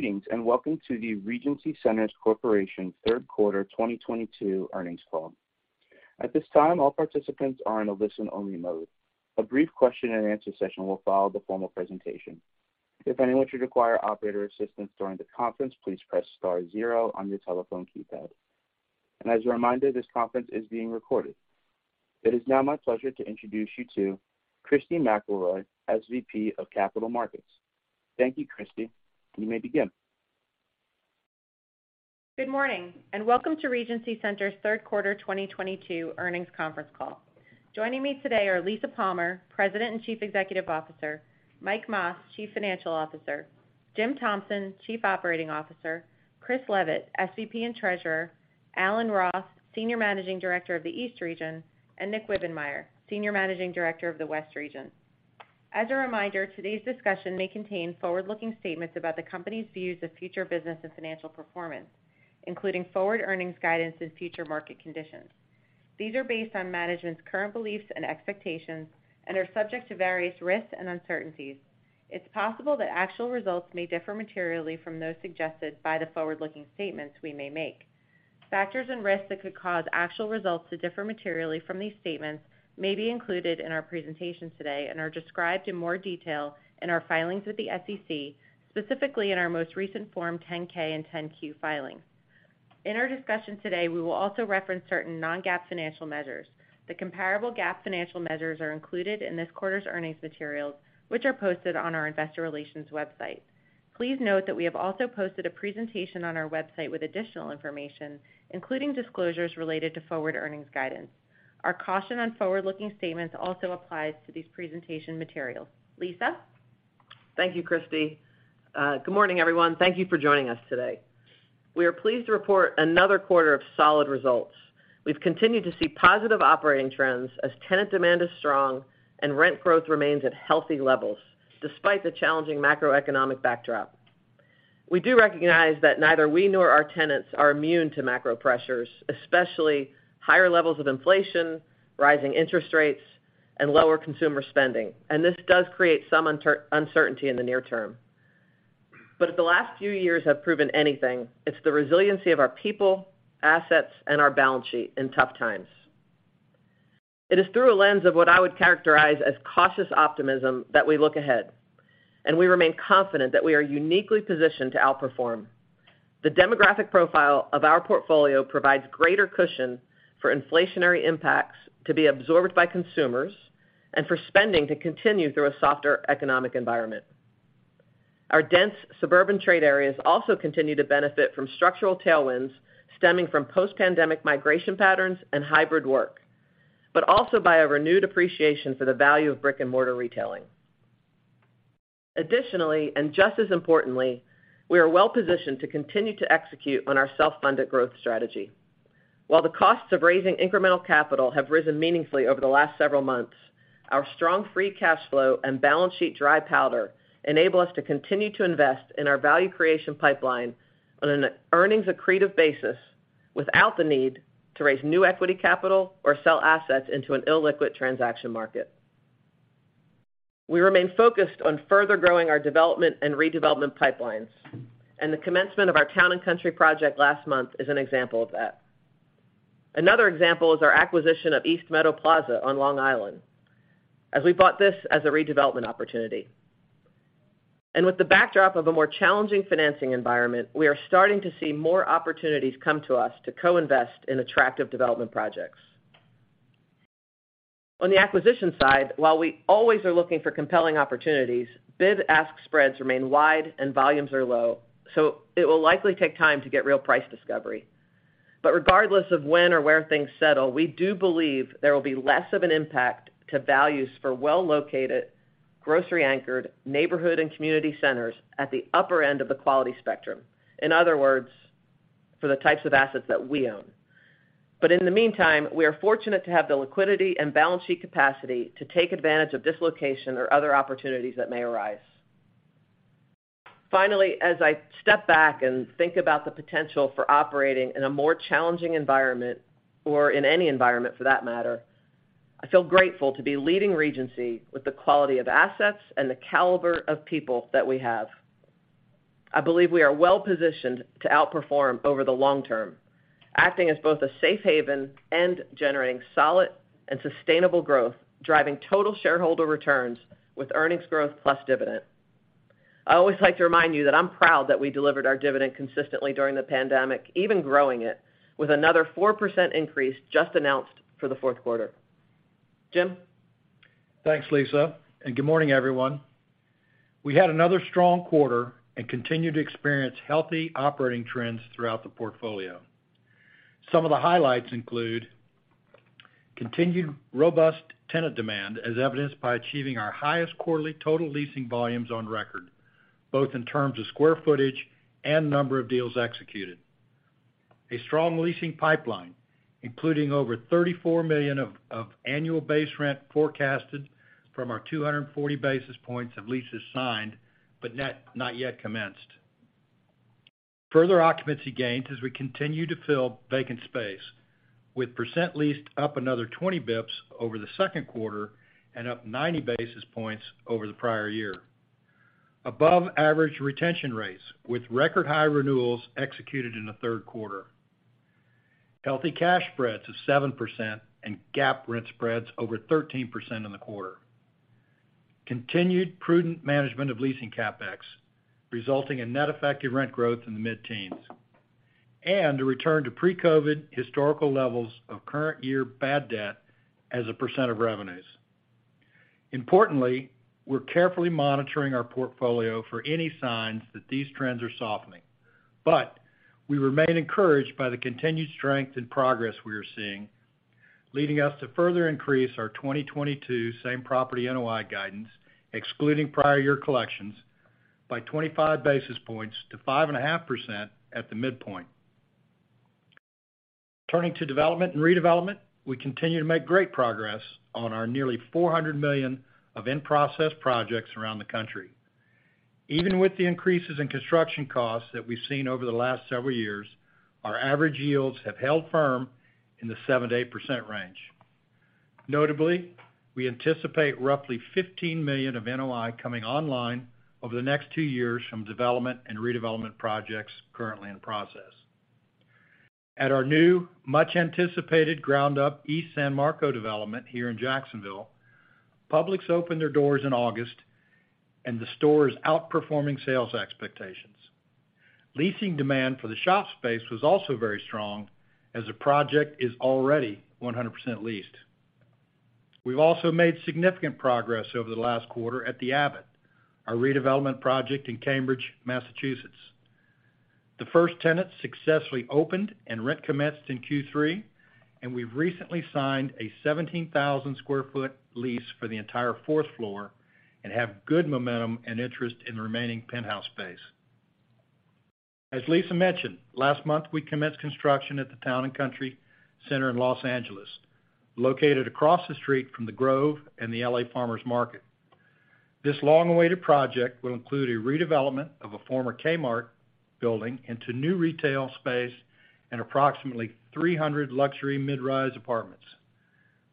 Greetings, and welcome to the Regency Centers Corporation third quarter 2022 earnings call. At this time, all participants are in a listen-only mode. A brief question-and-answer session will follow the formal presentation. If anyone should require operator assistance during the conference, please press star zero on your telephone keypad. As a reminder, this conference is being recorded. It is now my pleasure to introduce you to Christy McElroy, SVP of Capital Markets. Thank you, Christy. You may begin. Good morning, and welcome to Regency Centers' third quarter 2022 earnings conference call. Joining me today are Lisa Palmer, President and Chief Executive Officer, Mike Mas, Chief Financial Officer, Jim Thompson, Chief Operating Officer, Chris Leavitt, SVP and Treasurer, Alan Roth, Senior Managing Director of the East Region, and Nick Wibbenmeyer, Senior Managing Director of the West Region. As a reminder, today's discussion may contain forward-looking statements about the company's views of future business and financial performance, including forward earnings guidance and future market conditions. These are based on management's current beliefs and expectations and are subject to various risks and uncertainties. It's possible that actual results may differ materially from those suggested by the forward-looking statements we may make. Factors and risks that could cause actual results to differ materially from these statements may be included in our presentation today and are described in more detail in our filings with the SEC, specifically in our most recent Form 10-K and 10-Q filings. In our discussion today, we will also reference certain non-GAAP financial measures. The comparable GAAP financial measures are included in this quarter's earnings materials, which are posted on our investor relations website. Please note that we have also posted a presentation on our website with additional information, including disclosures related to forward earnings guidance. Our caution on forward-looking statements also applies to these presentation materials. Lisa. Thank you, Christy. Good morning, everyone. Thank you for joining us today. We are pleased to report another quarter of solid results. We've continued to see positive operating trends as tenant demand is strong and rent growth remains at healthy levels despite the challenging macroeconomic backdrop. We do recognize that neither we nor our tenants are immune to macro pressures, especially higher levels of inflation, rising interest rates, and lower consumer spending. This does create some uncertainty in the near term. If the last few years have proven anything, it's the resiliency of our people, assets, and our balance sheet in tough times. It is through a lens of what I would characterize as cautious optimism that we look ahead, and we remain confident that we are uniquely positioned to outperform. The demographic profile of our portfolio provides greater cushion for inflationary impacts to be absorbed by consumers and for spending to continue through a softer economic environment. Our dense suburban trade areas also continue to benefit from structural tailwinds stemming from post-pandemic migration patterns and hybrid work, but also by a renewed appreciation for the value of brick-and-mortar retailing. Additionally, and just as importantly, we are well-positioned to continue to execute on our self-funded growth strategy. While the costs of raising incremental capital have risen meaningfully over the last several months, our strong free cash flow and balance sheet dry powder enable us to continue to invest in our value creation pipeline on an earnings accretive basis without the need to raise new equity capital or sell assets into an illiquid transaction market. We remain focused on further growing our development and redevelopment pipelines, and the commencement of our Town and Country Center project last month is an example of that. Another example is our acquisition of East Meadow Plaza on Long Island, as we bought this as a redevelopment opportunity. With the backdrop of a more challenging financing environment, we are starting to see more opportunities come to us to co-invest in attractive development projects. On the acquisition side, while we always are looking for compelling opportunities, bid-ask spreads remain wide and volumes are low, so it will likely take time to get real price discovery. Regardless of when or where things settle, we do believe there will be less of an impact to values for well-located, grocery-anchored neighborhood and community centers at the upper end of the quality spectrum, in other words, for the types of assets that we own. In the meantime, we are fortunate to have the liquidity and balance sheet capacity to take advantage of dislocation or other opportunities that may arise. Finally, as I step back and think about the potential for operating in a more challenging environment or in any environment for that matter, I feel grateful to be leading Regency with the quality of assets and the caliber of people that we have. I believe we are well-positioned to outperform over the long term, acting as both a safe haven and generating solid and sustainable growth, driving total shareholder returns with earnings growth plus dividend. I always like to remind you that I'm proud that we delivered our dividend consistently during the pandemic, even growing it, with another 4% increase just announced for the fourth quarter. Jim? Thanks, Lisa, and good morning, everyone. We had another strong quarter and continue to experience healthy operating trends throughout the portfolio. Some of the highlights include continued robust tenant demand as evidenced by achieving our highest quarterly total leasing volumes on record, both in terms of square footage and number of deals executed. A strong leasing pipeline, including over $34 million of annual base rent forecasted from our 240 basis points of leases signed but not yet commenced. Further occupancy gains as we continue to fill vacant space, with percent leased up another 20 basis points over the second quarter and up 90 basis points over the prior year. Above average retention rates, with record high renewals executed in the third quarter. Healthy cash spreads of 7% and GAAP rent spreads over 13% in the quarter. Continued prudent management of leasing CapEx, resulting in net effective rent growth in the mid-teens, and a return to pre-COVID historical levels of current year bad debt as a percent of revenues. Importantly, we're carefully monitoring our portfolio for any signs that these trends are softening. We remain encouraged by the continued strength and progress we are seeing, leading us to further increase our 2022 same property NOI guidance, excluding prior year collections, by 25 basis points to 5.5% at the midpoint. Turning to development and redevelopment, we continue to make great progress on our nearly $400 million of in-process projects around the country. Even with the increases in construction costs that we've seen over the last several years, our average yields have held firm in the 7%-8% range. Notably, we anticipate roughly $15 million of NOI coming online over the next 2 years from development and redevelopment projects currently in process. At our new much anticipated ground up East San Marco development here in Jacksonville, Publix opened their doors in August and the store is outperforming sales expectations. Leasing demand for the shop space was also very strong as the project is already 100% leased. We've also made significant progress over the last quarter at The Abbot, our redevelopment project in Cambridge, Massachusetts. The first tenant successfully opened and rent commenced in Q3, and we've recently signed a 17,000 sq ft lease for the entire fourth floor and have good momentum and interest in the remaining penthouse space. As Lisa mentioned, last month we commenced construction at the Town and Country Center in Los Angeles, located across the street from The Grove and the L.A. Farmers Market. This long-awaited project will include a redevelopment of a former Kmart building into new retail space and approximately 300 luxury mid-rise apartments.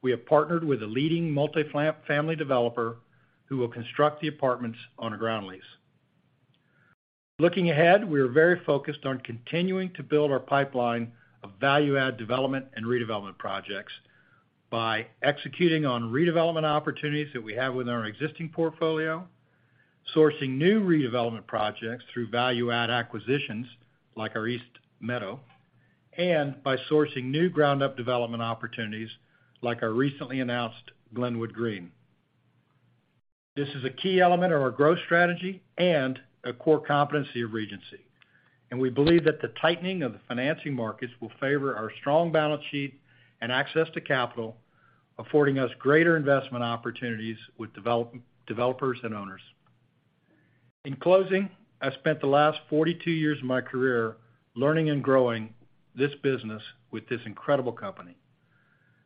We have partnered with a leading multifamily developer who will construct the apartments on a ground lease. Looking ahead, we are very focused on continuing to build our pipeline of value add development and redevelopment projects by executing on redevelopment opportunities that we have with our existing portfolio, sourcing new redevelopment projects through value add acquisitions, like our East Meadow, and by sourcing new ground up development opportunities, like our recently announced Glenwood Green. This is a key element of our growth strategy and a core competency of Regency, and we believe that the tightening of the financing markets will favor our strong balance sheet and access to capital, affording us greater investment opportunities with developers and owners. In closing, I spent the last 42 years of my career learning and growing this business with this incredible company.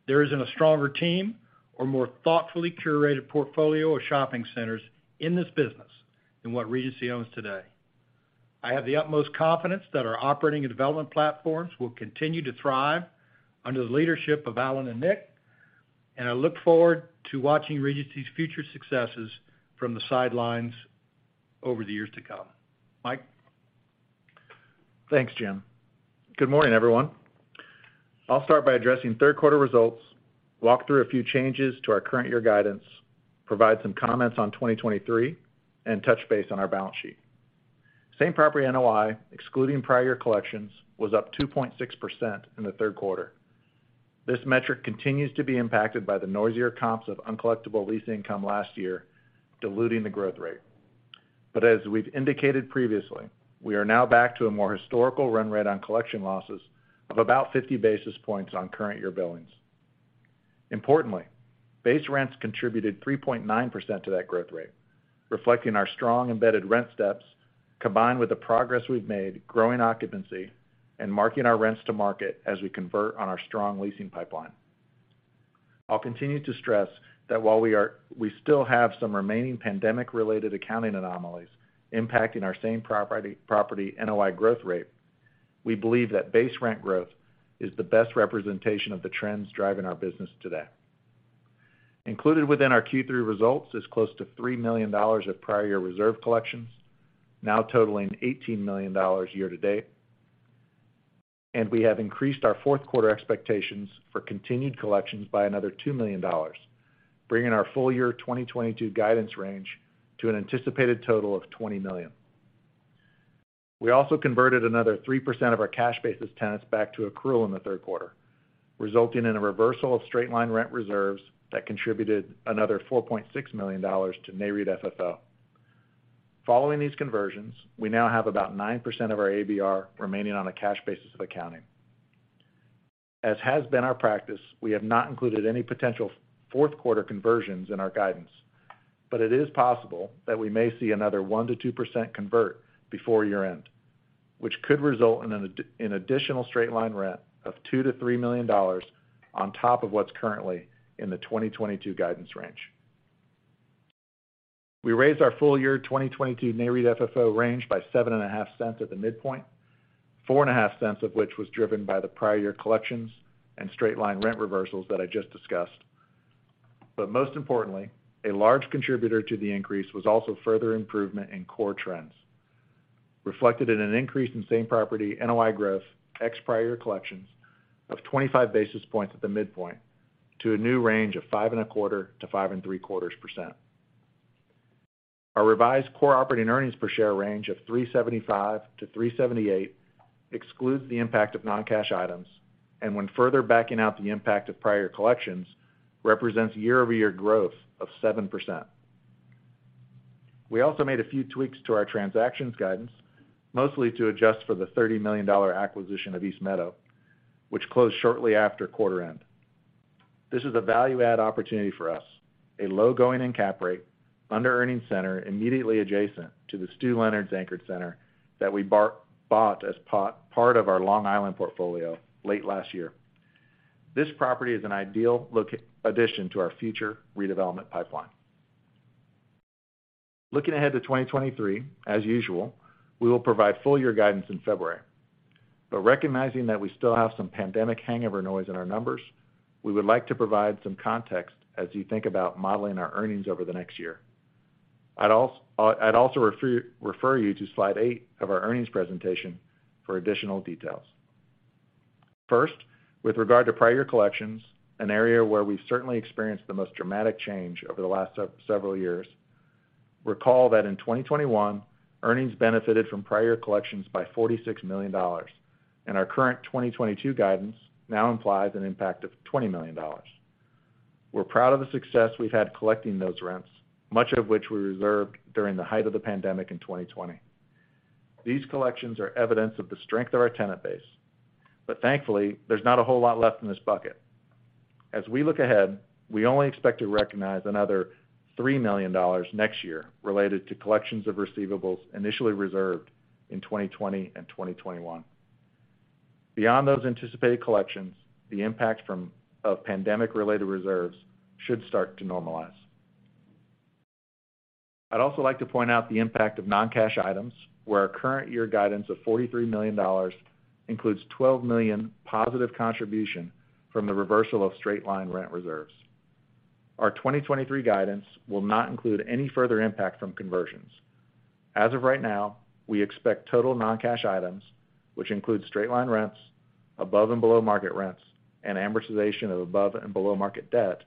There isn't a stronger team or more thoughtfully curated portfolio of shopping centers in this business than what Regency owns today. I have the utmost confidence that our operating and development platforms will continue to thrive under the leadership of Alan and Nick, and I look forward to watching Regency's future successes from the sidelines over the years to come. Mike. Thanks, Jim. Good morning, everyone. I'll start by addressing third quarter results, walk through a few changes to our current year guidance, provide some comments on 2023, and touch base on our balance sheet. Same property NOI, excluding prior collections, was up 2.6% in the third quarter. This metric continues to be impacted by the noisier comps of uncollectible lease income last year, diluting the growth rate. As we've indicated previously, we are now back to a more historical run rate on collection losses of about 50 basis points on current year billings. Importantly, base rents contributed 3.9% to that growth rate, reflecting our strong embedded rent steps, combined with the progress we've made growing occupancy and marking our rents to market as we convert on our strong leasing pipeline. I'll continue to stress that while we still have some remaining pandemic-related accounting anomalies impacting our same property NOI growth rate, we believe that base rent growth is the best representation of the trends driving our business today. Included within our Q3 results is close to $3 million of prior year reserve collections, now totaling $18 million year to date. We have increased our fourth quarter expectations for continued collections by another $2 million, bringing our full year 2022 guidance range to an anticipated total of $20 million. We also converted another 3% of our cash basis tenants back to accrual in the third quarter, resulting in a reversal of straight-line rent reserves that contributed another $4.6 million to Nareit FFO. Following these conversions, we now have about 9% of our ABR remaining on a cash basis of accounting. As has been our practice, we have not included any potential fourth quarter conversions in our guidance, but it is possible that we may see another 1%-2% convert before year-end, which could result in an additional straight-line rent of $2 million-$3 million on top of what's currently in the 2022 guidance range. We raised our full year 2022 Nareit FFO range by $0.075 at the midpoint, $0.045 of which was driven by the prior year collections and straight-line rent reversals that I just discussed. Most importantly, a large contributor to the increase was also further improvement in core trends, reflected in an increase in same property NOI growth, ex-prior year collections of 25 basis points at the midpoint to a new range of 5.25%-5.75%. Our revised core operating earnings per share range of $3.75-$3.78 excludes the impact of non-cash items, and when further backing out the impact of prior collections, represents year-over-year growth of 7%. We also made a few tweaks to our transactions guidance, mostly to adjust for the $30 million acquisition of East Meadow Plaza, which closed shortly after quarter end. This is a value add opportunity for us, a low going-in cap rate under-earning center immediately adjacent to the Stew Leonard's anchored center that we bought as part of our Long Island portfolio late last year. This property is an ideal addition to our future redevelopment pipeline. Looking ahead to 2023, as usual, we will provide full year guidance in February. Recognizing that we still have some pandemic hangover noise in our numbers, we would like to provide some context as you think about modeling our earnings over the next year. I'd also refer you to slide 8 of our earnings presentation for additional details. First, with regard to prior collections, an area where we've certainly experienced the most dramatic change over the last several years. Recall that in 2021, earnings benefited from prior collections by $46 million, and our current 2022 guidance now implies an impact of $20 million. We're proud of the success we've had collecting those rents, much of which we reserved during the height of the pandemic in 2020. These collections are evidence of the strength of our tenant base. Thankfully, there's not a whole lot left in this bucket. As we look ahead, we only expect to recognize another $3 million next year related to collections of receivables initially reserved in 2020 and 2021. Beyond those anticipated collections, the impact of pandemic related reserves should start to normalize. I'd also like to point out the impact of non-cash items, where our current year guidance of $43 million includes $12 million positive contribution from the reversal of straight-line rent reserves. Our 2023 guidance will not include any further impact from conversions. As of right now, we expect total non-cash items, which include straight-line rents, above and below market rents, and amortization of above and below market debt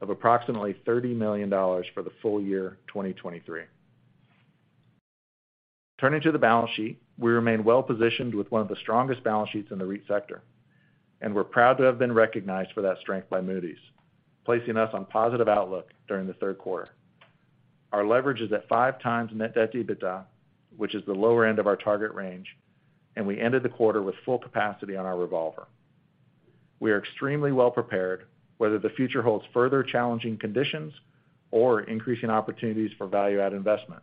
of approximately $30 million for the full year 2023. Turning to the balance sheet, we remain well-positioned with one of the strongest balance sheets in the REIT sector, and we're proud to have been recognized for that strength by Moody's, placing us on positive outlook during the third quarter. Our leverage is at 5x net debt to EBITDA, which is the lower end of our target range, and we ended the quarter with full capacity on our revolver. We are extremely well prepared, whether the future holds further challenging conditions or increasing opportunities for value add investment.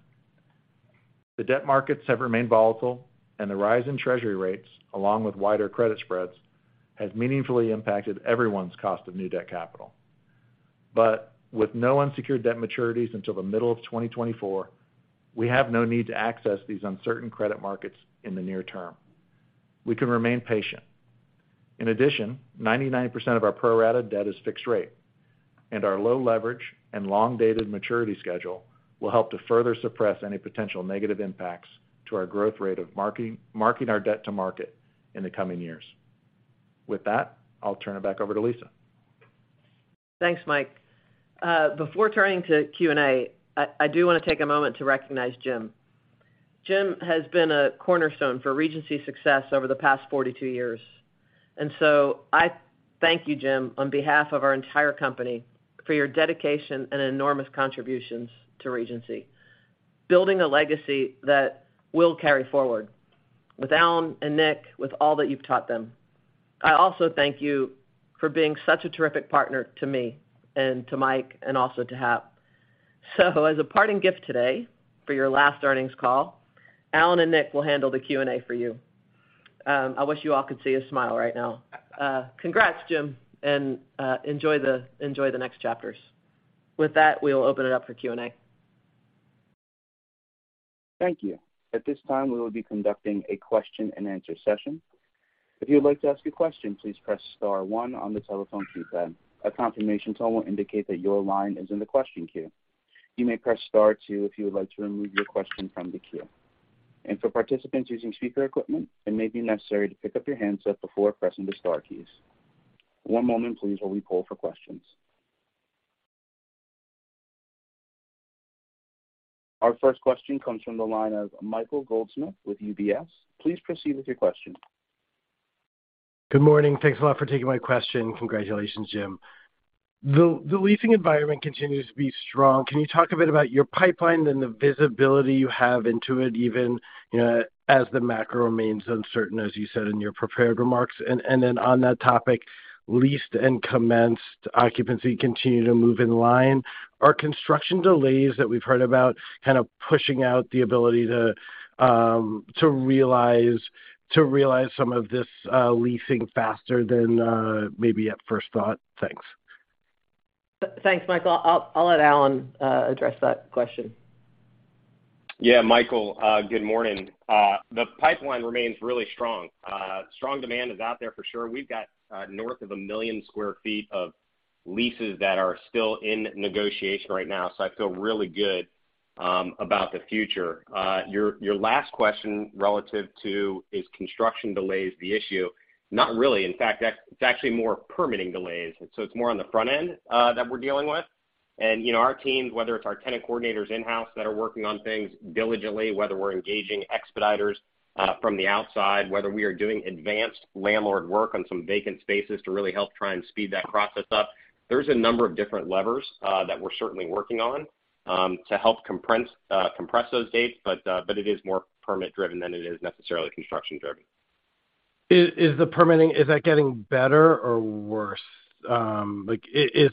The debt markets have remained volatile, and the rise in Treasury rates, along with wider credit spreads, has meaningfully impacted everyone's cost of new debt capital. With no unsecured debt maturities until the middle of 2024, we have no need to access these uncertain credit markets in the near term. We can remain patient. In addition, 99% of our pro-rata debt is fixed rate, and our low leverage and long dated maturity schedule will help to further suppress any potential negative impacts to our growth rate of marking our debt to market in the coming years. With that, I'll turn it back over to Lisa. Thanks, Mike. Before turning to Q&A, I do want to take a moment to recognize Jim. Jim has been a cornerstone for Regency's success over the past 42 years. I thank you, Jim, on behalf of our entire company for your dedication and enormous contributions to Regency, building a legacy that we'll carry forward with Alan and Nick, with all that you've taught them. I also thank you for being such a terrific partner to me and to Mike and also to Hap. As a parting gift today for your last earnings call, Alan and Nick will handle the Q&A for you. I wish you all could see his smile right now. Congrats, Jim, and enjoy the next chapters. With that, we'll open it up for Q&A. Thank you. At this time, we will be conducting a question and answer session. If you would like to ask a question, please press star one on the telephone keypad. A confirmation tone will indicate that your line is in the question queue. You may press star two if you would like to remove your question from the queue. For participants using speaker equipment, it may be necessary to pick up your handset before pressing the star keys. One moment, please, while we poll for questions. Our first question comes from the line of Michael Goldsmith with UBS. Please proceed with your question. Good morning. Thanks a lot for taking my question. Congratulations, Jim. The leasing environment continues to be strong. Can you talk a bit about your pipeline and the visibility you have into it even, you know, as the macro remains uncertain, as you said in your prepared remarks. On that topic, leased and commenced occupancy continue to move in line. Are construction delays that we've heard about kind of pushing out the ability to realize some of this leasing faster than maybe at first thought? Thanks. Thanks, Michael. I'll let Alan address that question. Yeah, Michael, good morning. The pipeline remains really strong. Strong demand is out there for sure. We've got north of 1 million sq ft of leases that are still in negotiation right now, so I feel really good about the future. Your last question relative to is construction delays the issue? Not really. In fact, it's actually more permitting delays. So it's more on the front end that we're dealing with. You know, our teams, whether it's our tenant coordinators in-house that are working on things diligently, whether we're engaging expediters from the outside, whether we are doing advanced landlord work on some vacant spaces to really help try and speed that process up. There's a number of different levers that we're certainly working on to help compress those dates, but it is more permit driven than it is necessarily construction driven. Is the permitting getting better or worse? Like,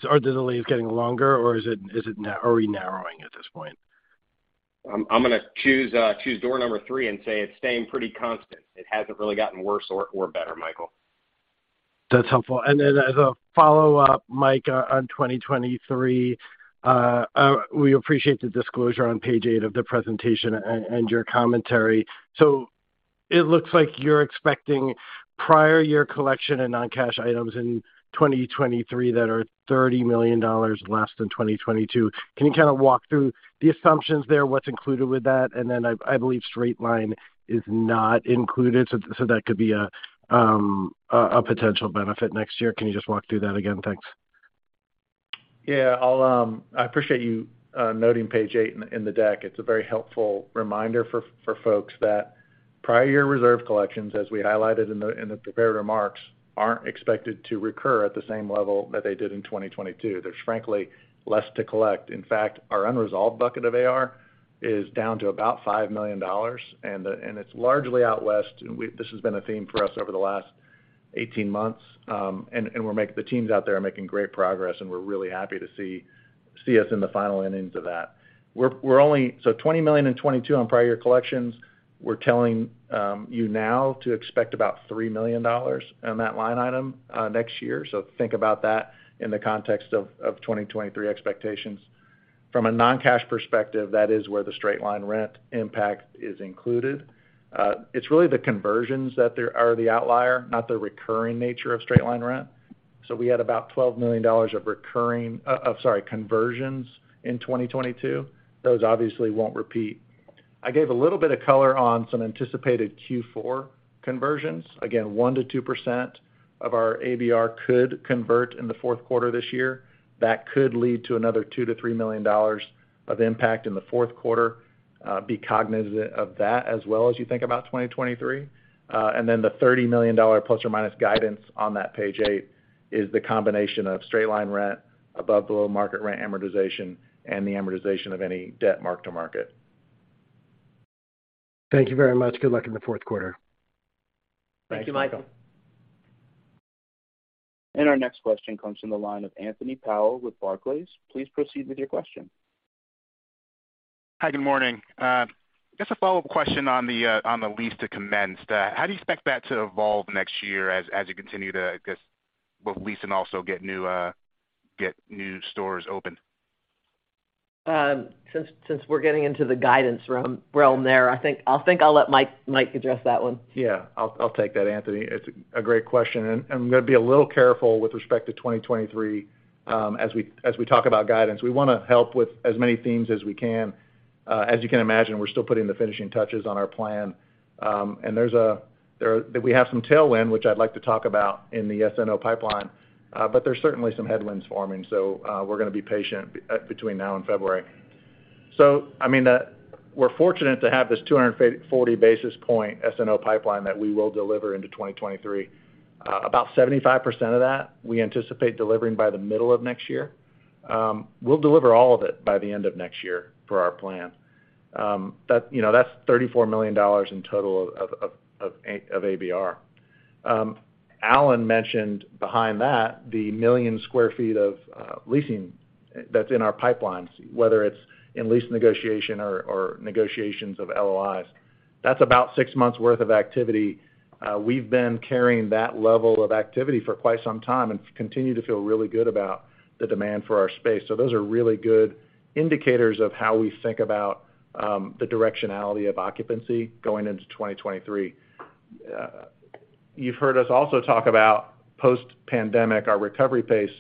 are the delays getting longer or are we narrowing at this point? I'm gonna choose door number three and say it's staying pretty constant. It hasn't really gotten worse or better, Michael. That's helpful. Then as a follow-up, Mike, on 2023, we appreciate the disclosure on page 8 of the presentation and your commentary. It looks like you're expecting prior year collection and non-cash items in 2023 that are $30 million less than 2022. Can you kind of walk through the assumptions there, what's included with that? I believe straight line is not included, so that could be a potential benefit next year. Can you just walk through that again? Thanks. Yeah. I appreciate you noting page eight in the deck. It's a very helpful reminder for folks that prior year reserve collections, as we highlighted in the prepared remarks, aren't expected to recur at the same level that they did in 2022. There's frankly less to collect. In fact, our unresolved bucket of AR is down to about $5 million, and it's largely out west. This has been a theme for us over the last 18 months. The teams out there are making great progress, and we're really happy to see us in the final innings of that. $20 million in 2022 on prior year collections, we're telling you now to expect about $3 million on that line item next year. Think about that in the context of 2023 expectations. From a non-cash perspective, that is where the straight line rent impact is included. It's really the conversions that they're the outlier, not the recurring nature of straight line rent. We had about $12 million of recurring conversions in 2022. Those obviously won't repeat. I gave a little bit of color on some anticipated Q4 conversions. Again, 1%-2% of our ABR could convert in the fourth quarter this year. That could lead to another $2 million-$3 million of impact in the fourth quarter. Be cognizant of that as well as you think about 2023. The $30 million ± guidance on that page eight is the combination of straight line rent, above below market rent amortization, and the amortization of any debt mark to market. Thank you very much. Good luck in the fourth quarter. Thank you, Michael. Thanks, Michael. Our next question comes from the line of Anthony Powell with Barclays. Please proceed with your question. Hi, good morning. Just a follow-up question on the leases to commence. How do you expect that to evolve next year as you continue to, I guess, both lease and also get new stores open? Since we're getting into the guidance realm there, I think I'll let Mike address that one. Yeah. I'll take that, Anthony. It's a great question, and I'm gonna be a little careful with respect to 2023, as we talk about guidance. We wanna help with as many themes as we can. As you can imagine, we're still putting the finishing touches on our plan. We have some tailwind, which I'd like to talk about in the SNO pipeline, but there's certainly some headwinds forming, so we're gonna be patient between now and February. I mean, we're fortunate to have this 240 basis point SNO pipeline that we will deliver into 2023. About 75% of that we anticipate delivering by the middle of next year. We'll deliver all of it by the end of next year per our plan. That's $34 million in total of ABR. Alan mentioned beyond that 1 million sq ft of leasing that's in our pipelines, whether it's in lease negotiation or negotiations of LOIs. That's about six months worth of activity. We've been carrying that level of activity for quite some time and continue to feel really good about the demand for our space. Those are really good indicators of how we think about the directionality of occupancy going into 2023. You've heard us also talk about post-pandemic, our recovery pace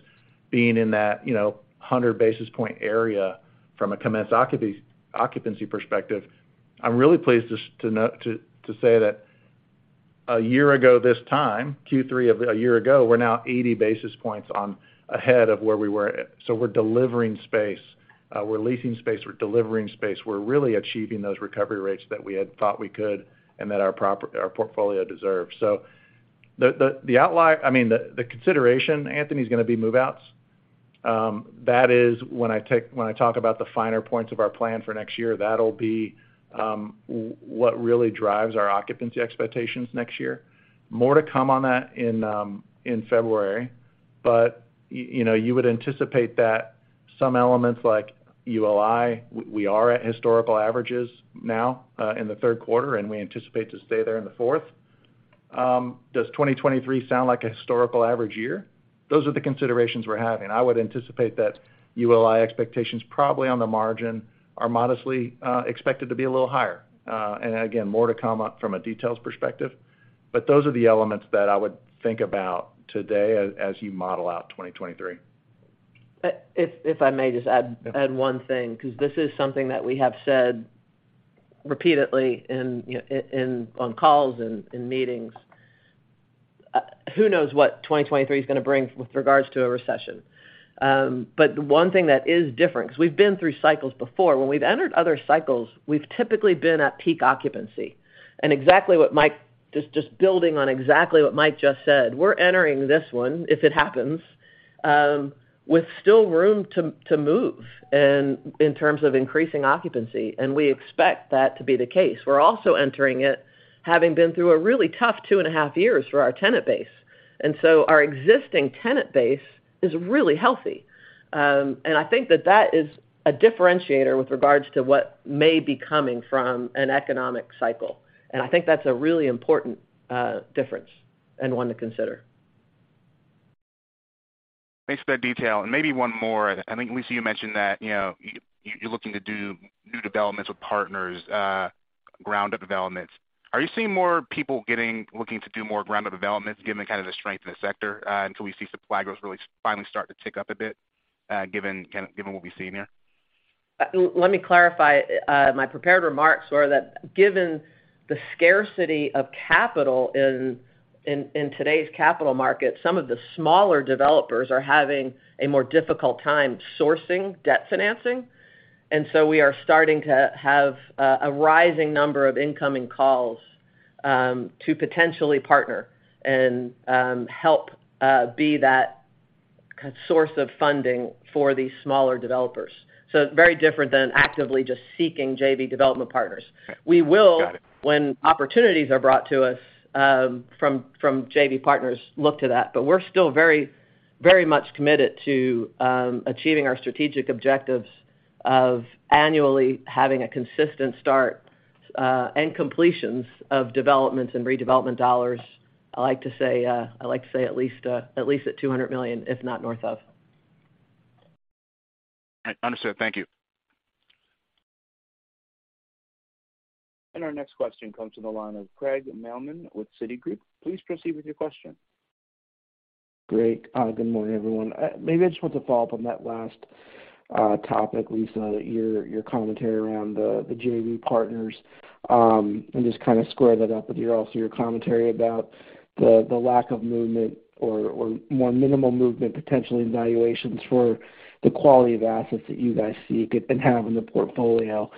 being in that 100 basis point area from a commenced occupancy perspective. I'm really pleased to say that a year ago this time, Q3 of a year ago, we're now 80 basis points ahead of where we were. We're delivering space, we're leasing space, we're delivering space. We're really achieving those recovery rates that we had thought we could and that our portfolio deserves. I mean the consideration, Anthony, is gonna be move-outs. That is when I talk about the finer points of our plan for next year, that'll be what really drives our occupancy expectations next year. More to come on that in February. You know, you would anticipate that some elements like ULI, we are at historical averages now, in the third quarter, and we anticipate to stay there in the fourth. Does 2023 sound like a historical average year? Those are the considerations we're having. I would anticipate that ULI expectations probably on the margin are modestly expected to be a little higher. Again, more to come up from a details perspective. Those are the elements that I would think about today as you model out 2023. If I may just add one thing, 'cause this is something that we have said repeatedly in on calls and in meetings. Who knows what 2023 is gonna bring with regards to a recession? One thing that is different, 'cause we've been through cycles before. When we've entered other cycles, we've typically been at peak occupancy. Exactly what Mike just said, we're entering this one, if it happens, with still room to move and in terms of increasing occupancy, and we expect that to be the case. We're also entering it having been through a really tough two and a half years for our tenant base. Our existing tenant base is really healthy. I think that is a differentiator with regards to what may be coming from an economic cycle. I think that's a really important difference and one to consider. Thanks for that detail. Maybe one more. I think, Lisa, you mentioned that, you know, you're looking to do new developments with partners, ground up developments. Are you seeing more people looking to do more ground up developments given kind of the strength in the sector, until we see supply growth finally start to tick up a bit, given kind of what we've seen here? Let me clarify. My prepared remarks were that given the scarcity of capital in today's capital market, some of the smaller developers are having a more difficult time sourcing debt financing. We are starting to have a rising number of incoming calls to potentially partner and help be that source of funding for these smaller developers. Very different than actively just seeking JV development partners. Okay. Got it. We will, when opportunities are brought to us, from JV partners, look to that, but we're still very, very much committed to achieving our strategic objectives of annually having a consistent start and completions of developments and redevelopment dollars. I like to say at least $200 million, if not north of. Understood. Thank you. Our next question comes from the line of Craig Mailman with Citigroup. Please proceed with your question. Great. Good morning, everyone. Maybe I just want to follow up on that last topic, Lisa, your commentary around the JV partners, and just kind of square that up with your commentary about the lack of movement or more minimal movement potentially in valuations for the quality of assets that you guys seek and have in the portfolio.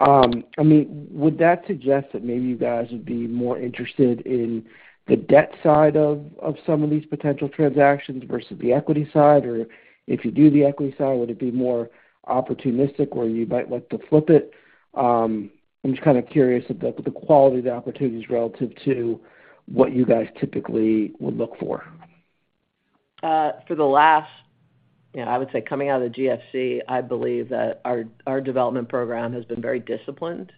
I mean, would that suggest that maybe you guys would be more interested in the debt side of some of these potential transactions versus the equity side? Or if you do the equity side, would it be more opportunistic where you might like to flip it? I'm just kind of curious about the quality of the opportunities relative to what you guys typically would look for. For the last, you know, I would say coming out of the GFC, I believe that our development program has been very disciplined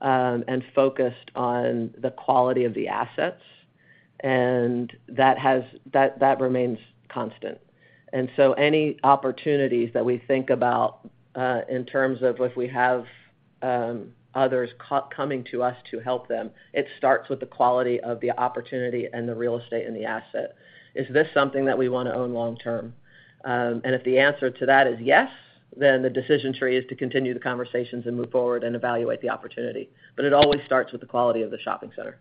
and focused on the quality of the assets, and that remains constant. Any opportunities that we think about in terms of if we have others coming to us to help them, it starts with the quality of the opportunity and the real estate and the asset. Is this something that we wanna own long term? If the answer to that is yes, then the decision tree is to continue the conversations and move forward and evaluate the opportunity. It always starts with the quality of the shopping center.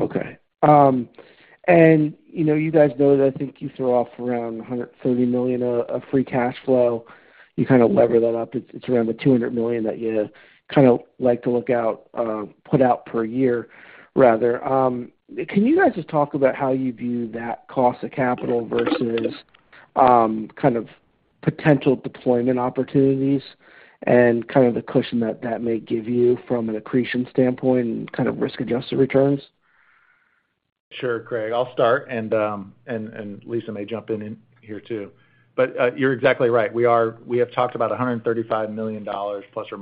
Okay. You know, you guys know that I think you throw off around $100 million of free cash flow. You kind of lever that up, it's around the $200 million that you kind of like to look out, put out per year rather. Can you guys just talk about how you view that cost of capital versus kind of potential deployment opportunities and kind of the cushion that that may give you from an accretion standpoint and kind of risk-adjusted returns? Sure, Craig, I'll start, and Lisa may jump in here too. You're exactly right. We have talked about $135 million plus or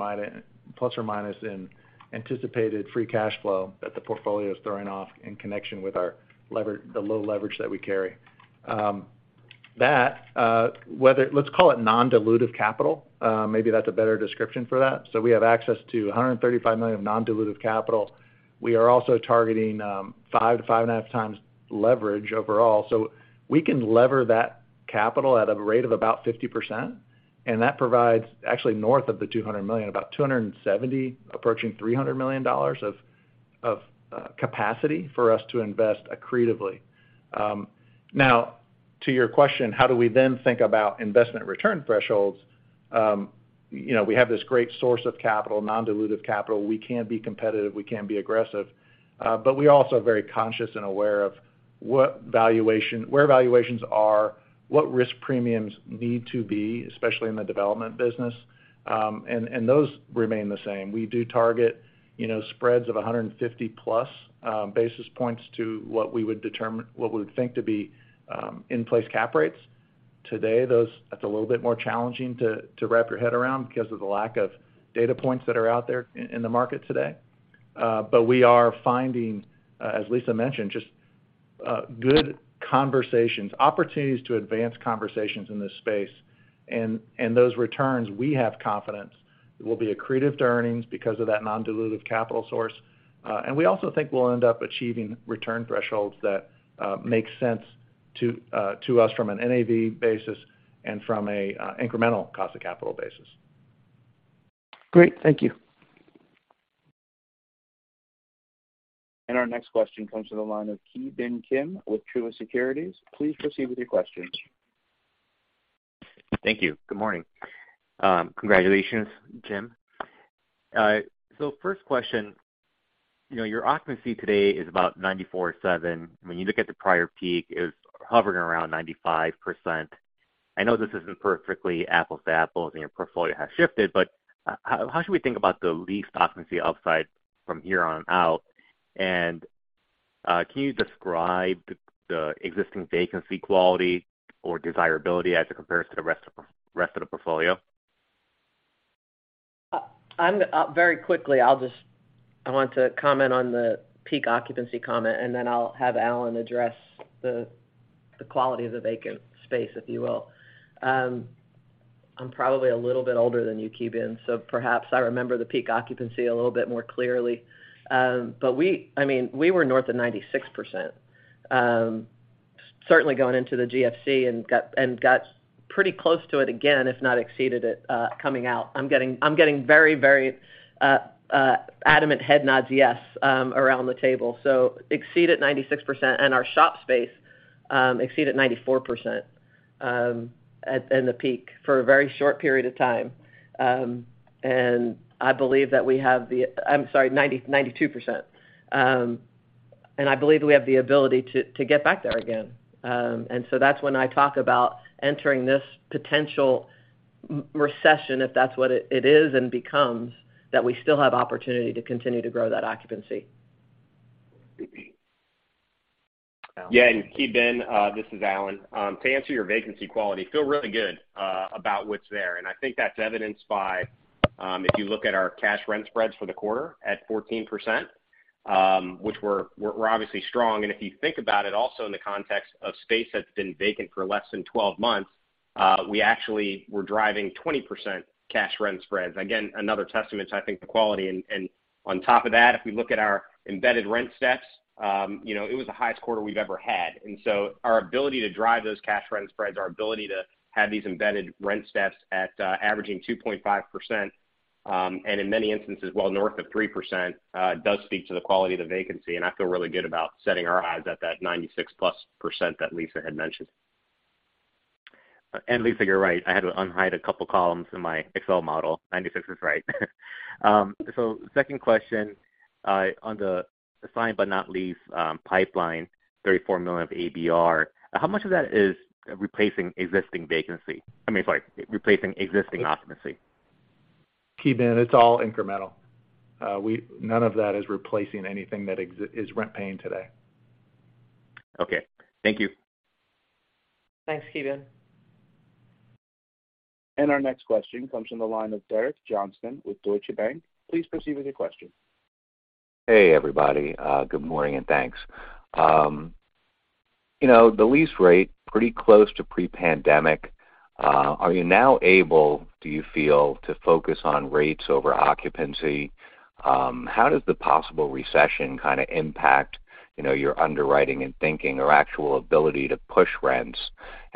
minus in anticipated free cash flow that the portfolio is throwing off in connection with the low leverage that we carry. That, let's call it non-dilutive capital, maybe that's a better description for that. We have access to $135 million of non-dilutive capital. We are also targeting 5x-5.5x leverage overall. We can lever that capital at a rate of about 50%, and that provides actually north of $200 million, about $270 million, approaching $300 million of capacity for us to invest accretively. Now, to your question, how do we then think about investment return thresholds? You know, we have this great source of capital, non-dilutive capital. We can be competitive, we can be aggressive, but we're also very conscious and aware of where valuations are, what risk premiums need to be, especially in the development business, and those remain the same. We do target, you know, spreads of 150+ basis points to what we would determine what we would think to be in place cap rates. Today, those. That's a little bit more challenging to wrap your head around because of the lack of data points that are out there in the market today, but we are finding, as Lisa mentioned, just good conversations, opportunities to advance conversations in this space. Those returns, we have confidence it will be accretive to earnings because of that non-dilutive capital source. We also think we'll end up achieving return thresholds that make sense to us from an NAV basis and from an incremental cost of capital basis. Great. Thank you. Our next question comes to the line of Ki Bin Kim with Truist Securities. Please proceed with your question. Thank you. Good morning. Congratulations, Jim. So first question. You know, your occupancy today is about 94.7%. When you look at the prior peak, it was hovering around 95%. I know this isn't perfectly apples to apples, and your portfolio has shifted, but how should we think about the lease occupancy upside from here on out? And can you describe the existing vacancy quality or desirability as it compares to the rest of the portfolio? Very quickly, I want to comment on the peak occupancy comment, and then I'll have Alan address the quality of the vacant space, if you will. I'm probably a little bit older than you, Ki Bin, so perhaps I remember the peak occupancy a little bit more clearly. We, I mean, we were north of 96%, certainly going into the GFC, and got pretty close to it again, if not exceeded it, coming out. I'm getting very adamant head nods, yes, around the table. Exceeded 96%, and our shop space exceeded 94% at in the peak for a very short period of time. I believe that we have. I'm sorry, 92%. I believe we have the ability to get back there again. That's when I talk about entering this potential m-recession, if that's what it is and becomes, that we still have opportunity to continue to grow that occupancy. Ki Bin. Alan. Yeah. Ki Bin, this is Alan. To answer your vacancy quality, feel really good about what's there, and I think that's evidenced by, if you look at our cash rent spreads for the quarter at 14%, which we're obviously strong. If you think about it also in the context of space that's been vacant for less than 12 months, we actually were driving 20% cash rent spreads. Again, another testament to, I think, the quality. On top of that, if we look at our embedded rent steps, you know, it was the highest quarter we've ever had. Our ability to drive those cash rent spreads, our ability to have these embedded rent steps at averaging 2.5%, and in many instances north of 3%, does speak to the quality of the vacancy, and I feel really good about setting our eyes at that 96%+ that Lisa had mentioned. Lisa, you're right. I had to unhide a couple columns in my Excel model. 96% is right. Second question, on the signed but not leased, pipeline, $34 million of ABR, how much of that is replacing existing occupancy? Ki Bin, it's all incremental. None of that is replacing anything that is rent paying today. Okay. Thank you. Thanks, Ki Bin. Our next question comes from the line of Derek Johnston with Deutsche Bank. Please proceed with your question. Hey, everybody. Good morning, and thanks. You know, the lease rate pretty close to pre-pandemic. Are you now able, do you feel, to focus on rates over occupancy? How does the possible recession impact, you know, your underwriting and thinking or actual ability to push rents?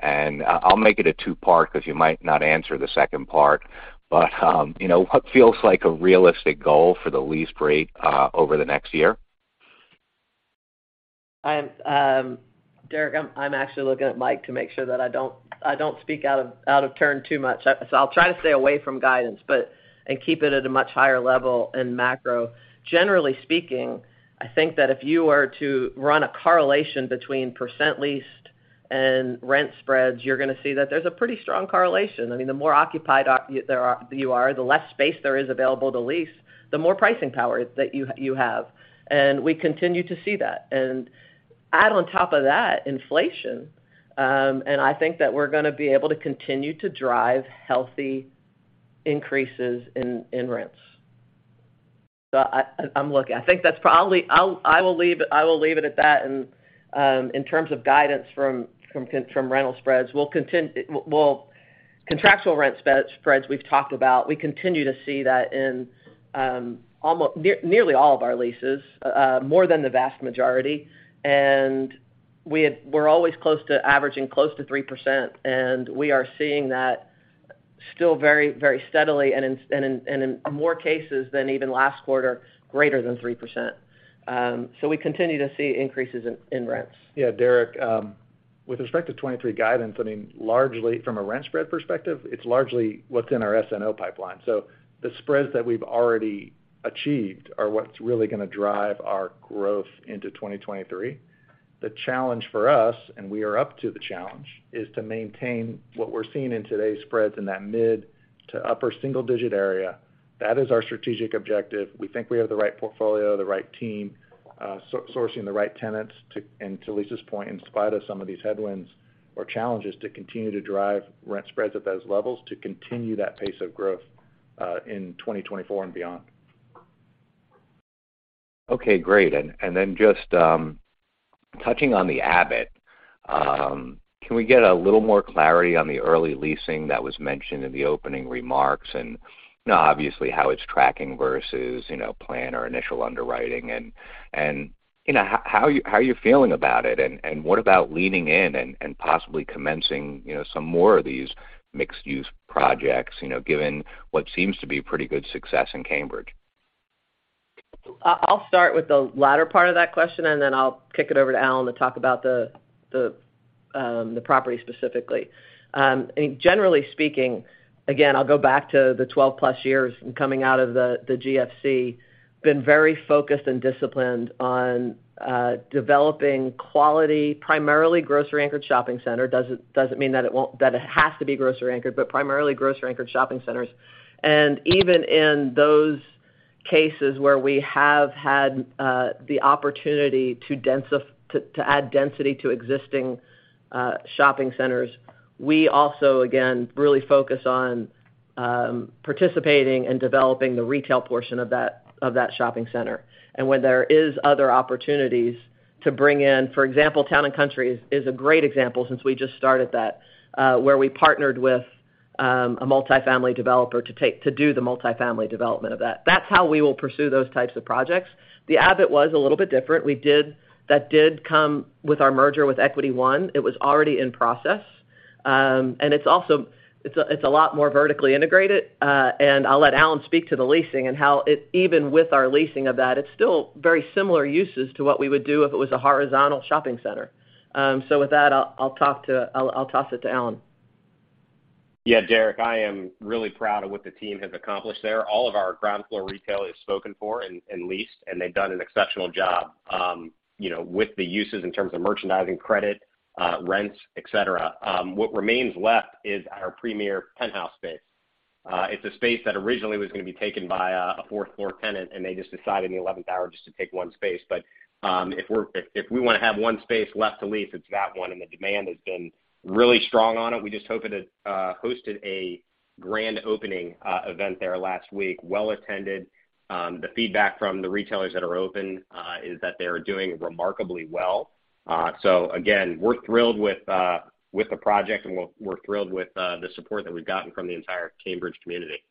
I'll make it a two-part because you might not answer the second part. You know, what feels like a realistic goal for the lease rate over the next year? Derek, I'm actually looking at Mike to make sure that I don't speak out of turn too much. I'll try to stay away from guidance and keep it at a much higher level in macro. Generally speaking, I think that if you were to run a correlation between percent leased and rent spreads, you're gonna see that there's a pretty strong correlation. I mean, the more occupied you are, the less space there is available to lease, the more pricing power that you have. We continue to see that. Add on top of that inflation, and I think that we're gonna be able to continue to drive healthy increases in rents. I'm looking. I think that's probably. I'll leave it at that. In terms of guidance from rental spreads, contractual rent spreads we've talked about. We continue to see that in nearly all of our leases, more than the vast majority. We're always close to averaging close to 3%, and we are seeing that still very, very steadily and in more cases than even last quarter, greater than 3%. We continue to see increases in rents. Yeah. Derek, with respect to 2023 guidance, I mean, largely from a rent spread perspective, it's largely what's in our SNO pipeline. The spreads that we've already achieved are what's really gonna drive our growth into 2023. The challenge for us, and we are up to the challenge, is to maintain what we're seeing in today's spreads in that mid- to upper single-digit area. That is our strategic objective. We think we have the right portfolio, the right team, sourcing the right tenants and to Lisa's point, in spite of some of these headwinds or challenges, to continue to drive rent spreads at those levels, to continue that pace of growth, in 2024 and beyond. Okay, great. Then just touching on The Abbot, can we get a little more clarity on the early leasing that was mentioned in the opening remarks? You know, obviously, how it's tracking versus, you know, plan or initial underwriting. You know, how are you feeling about it? What about leaning in and possibly commencing, you know, some more of these mixed-use projects, you know, given what seems to be pretty good success in Cambridge. I'll start with the latter part of that question, and then I'll kick it over to Alan to talk about the property specifically. I think generally speaking, again, I'll go back to the 12+ years coming out of the GFC, been very focused and disciplined on developing quality, primarily grocery-anchored shopping centers. Doesn't mean that it won't—that it has to be grocery anchored, but primarily grocery-anchored shopping centers. Even in those cases where we have had the opportunity to add density to existing shopping centers, we also, again, really focus on participating and developing the retail portion of that shopping center. When there is other opportunities to bring in, for example, Town and Country Center is a great example since we just started that, where we partnered with a multifamily developer to do the multifamily development of that. That's how we will pursue those types of projects. The Abbot was a little bit different. That did come with our merger with Equity One. It was already in process. It's a lot more vertically integrated. I'll let Alan speak to the leasing and how it even with our leasing of that, it's still very similar uses to what we would do if it was a horizontal shopping center. With that, I'll toss it to Alan. Yeah, Derek, I am really proud of what the team has accomplished there. All of our ground floor retail is spoken for and leased, and they've done an exceptional job, you know, with the uses in terms of merchandising credit, rents, et cetera. What remains left is our premier penthouse space. It's a space that originally was gonna be taken by a fourth-floor tenant, and they just decided in the eleventh hour just to take one space. If we wanna have one space left to lease, it's that one, and the demand has been really strong on it. We just hosted a grand opening event there last week, well attended. The feedback from the retailers that are open is that they are doing remarkably well. Again, we're thrilled with the project, and we're thrilled with the support that we've gotten from the entire Cambridge community.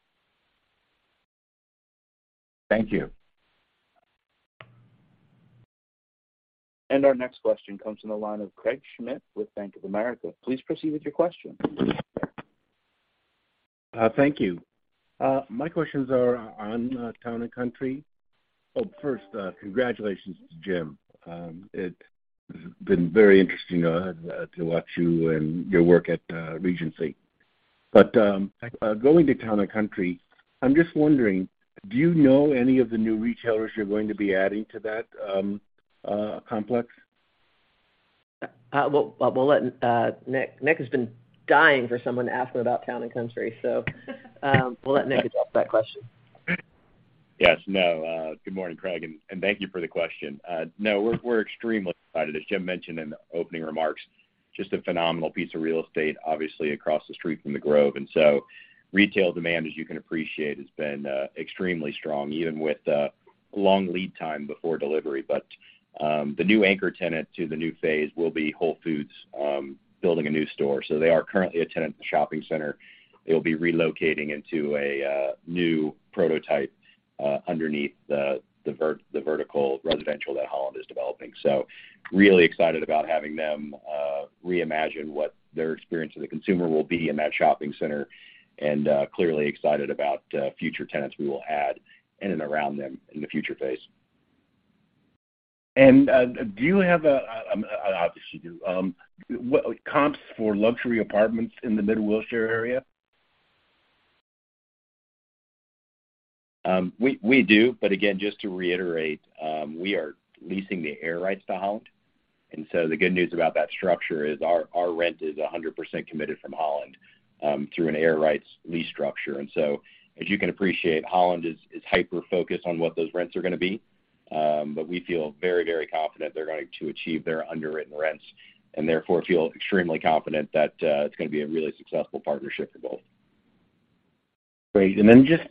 Thank you. Our next question comes from the line of Craig Schmidt with Bank of America. Please proceed with your question. Thank you. My questions are on Town and Country. Oh, first, congratulations to Jim. It's been very interesting to watch you and your work at Regency. Going to Town and Country, I'm just wondering, do you know any of the new retailers you're going to be adding to that complex? We'll let Nick adopt that question. Nick has been dying for someone to ask him about Town & Country. Yes. No. Good morning, Craig, and thank you for the question. No, we're extremely excited. As Jim mentioned in the opening remarks, just a phenomenal piece of real estate, obviously, across the street from The Grove. Retail demand, as you can appreciate, has been extremely strong, even with long lead time before delivery. The new anchor tenant to the new phase will be Whole Foods, building a new store. They are currently a tenant in the shopping center. They'll be relocating into a new prototype, underneath the vertical residential that Holland is developing. Really excited about having them reimagine what their experience of the consumer will be in that shopping center, and clearly excited about future tenants we will add in and around them in the future phase. Obviously you do. What comps for luxury apartments in the Mid-Wilshire area? We do. Again, just to reiterate, we are leasing the air rights to Holland. The good news about that structure is our rent is 100% committed from Holland through an air rights lease structure. As you can appreciate, Holland is hyper-focused on what those rents are gonna be. We feel very, very confident they're going to achieve their underwritten rents, and therefore feel extremely confident that it's gonna be a really successful partnership for both. Great. Just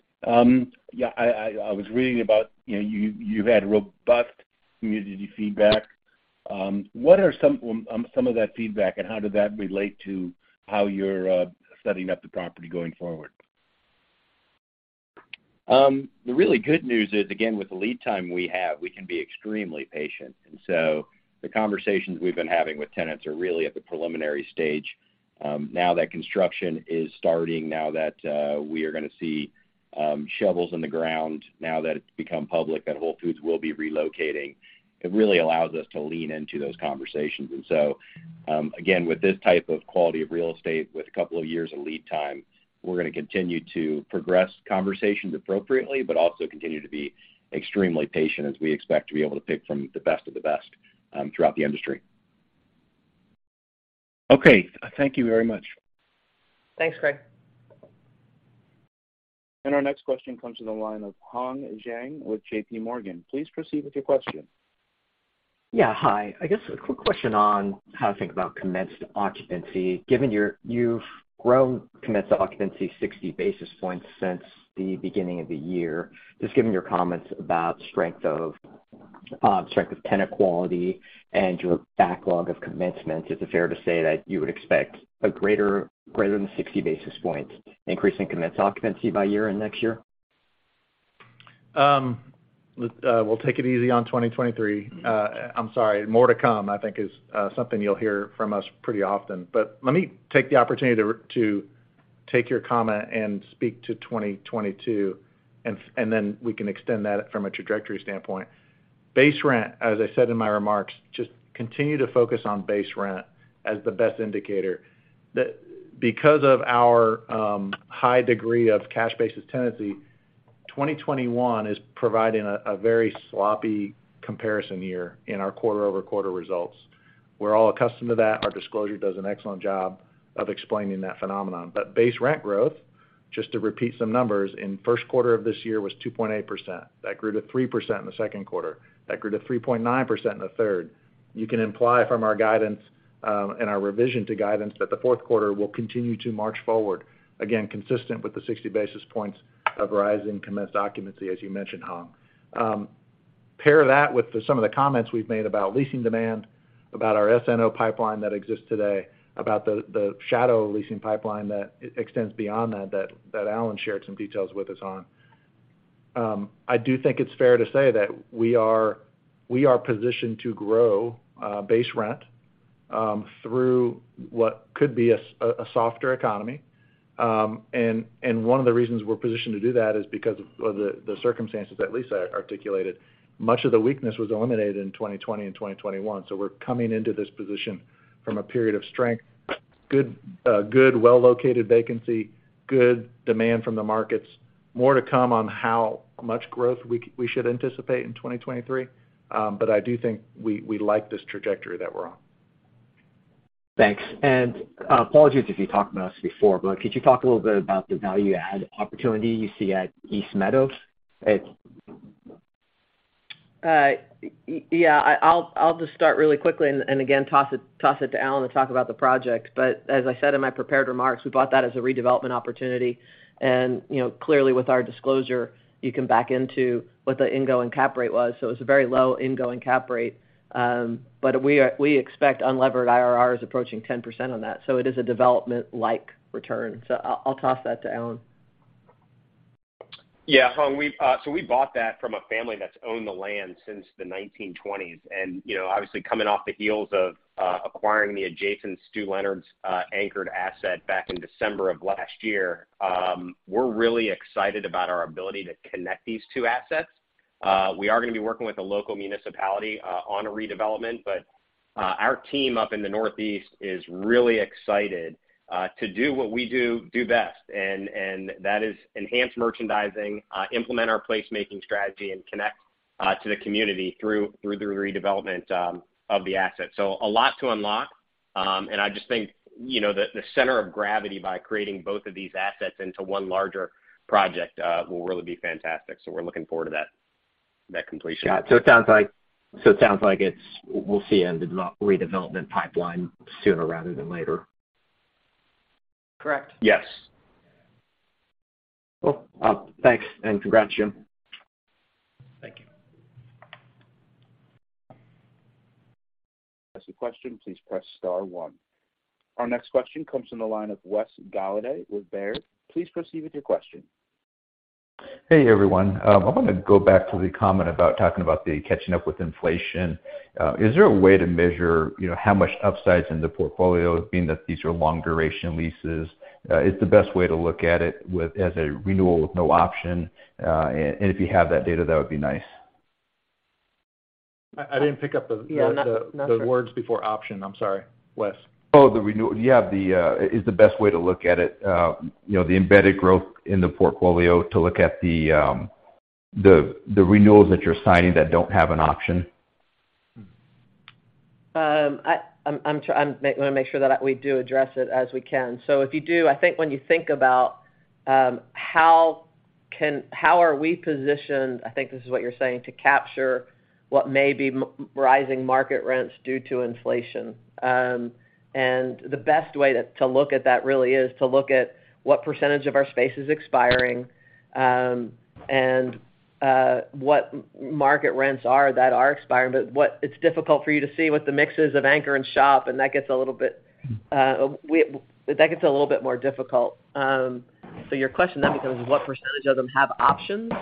yeah, I was reading about, you know, you had robust community feedback. What are some of that feedback, and how did that relate to how you're setting up the property going forward? The really good news is, again, with the lead time we have, we can be extremely patient. The conversations we've been having with tenants are really at the preliminary stage, now that construction is starting, now that we are gonna see shovels in the ground, now that it's become public that Whole Foods will be relocating, it really allows us to lean into those conversations. Again, with this type of quality of real estate, with a couple of years of lead time, we're gonna continue to progress conversations appropriately, but also continue to be extremely patient as we expect to be able to pick from the best of the best throughout the industry. Okay. Thank you very much. Thanks, Craig Schmidt. Our next question comes from the line of Hong Zhang with JPMorgan. Please proceed with your question. Yeah. Hi. I guess a quick question on how to think about commenced occupancy, given you've grown commenced occupancy 60 basis points since the beginning of the year. Just given your comments about strength of tenant quality and your backlog of commencement, is it fair to say that you would expect a greater than 60 basis points increase in commenced occupancy by year end next year? We'll take it easy on 2023. I'm sorry. More to come, I think is something you'll hear from us pretty often. Let me take the opportunity to take your comment and speak to 2022, and then we can extend that from a trajectory standpoint. Base rent, as I said in my remarks, just continue to focus on base rent as the best indicator. Because of our high degree of cash-basis tenancy, 2021 is providing a very sloppy comparison year in our quarter-over-quarter results. We're all accustomed to that. Our disclosure does an excellent job of explaining that phenomenon. Base rent growth, just to repeat some numbers, in first quarter of this year was 2.8%. That grew to 3% in the second quarter. That grew to 3.9% in the third. You can imply from our guidance and our revision to guidance that the fourth quarter will continue to march forward, again, consistent with the 60 basis points of rise in commenced occupancy, as you mentioned, Hong. Pair that with some of the comments we've made about leasing demand, about our SNO pipeline that exists today, about the shadow leasing pipeline that extends beyond that Alan shared some details with us on. I do think it's fair to say that we are positioned to grow base rent through what could be a softer economy. One of the reasons we're positioned to do that is because of the circumstances that Lisa articulated. Much of the weakness was eliminated in 2020 and 2021, so we're coming into this position from a period of strength. Good well-located vacancy, good demand from the markets. More to come on how much growth we should anticipate in 2023. I do think we like this trajectory that we're on. Thanks. Apologies if you talked about this before, but could you talk a little bit about the value add opportunity you see at East Meadow Plaza? Yeah. I'll just start really quickly and again, toss it to Alan to talk about the project. As I said in my prepared remarks, we bought that as a redevelopment opportunity. You know, clearly, with our disclosure, you can back into what the going-in cap rate was. It was a very low going-in cap rate. We expect unlevered IRRs approaching 10% on that, so it is a development-like return. I'll toss that to Alan. Yeah, Hong. We've so we bought that from a family that's owned the land since the 1920s. You know, obviously coming off the heels of acquiring the adjacent Stew Leonard's anchored asset back in December of last year, we're really excited about our ability to connect these two assets. We are gonna be working with the local municipality on a redevelopment, but our team up in the Northeast is really excited to do what we do best. That is enhance merchandising, implement our placemaking strategy, and connect to the community through the redevelopment of the asset. A lot to unlock. I just think, you know, the center of gravity by creating both of these assets into one larger project will really be fantastic. We're looking forward to that completion. Got it. It sounds like we'll see in the redevelopment pipeline sooner rather than later. Correct. Yes. Cool. Thanks and congrats, Jim. Thank you. To ask a question, please press star one. Our next question comes from the line of Wes Golladay with Baird. Please proceed with your question. Hey, everyone. I wanna go back to the comment about talking about the catching up with inflation. Is there a way to measure, you know, how much upside is in the portfolio, being that these are long duration leases? If you have that data, that would be nice. I didn't pick up the- Yeah. Not sure. the words before option. I'm sorry, Wes. Yeah. Is the best way to look at it, you know, the embedded growth in the portfolio to look at the renewals that you're signing that don't have an option? I wanna make sure that we do address it as we can. If you do, I think when you think about how we are positioned, I think this is what you're saying, to capture what may be rising market rents due to inflation. The best way to look at that really is to look at what percentage of our space is expiring, and what market rents are that are expiring. It's difficult for you to see what the mix is of anchor and shop, and that gets a little bit more difficult. Your question then becomes what percentage of them have options?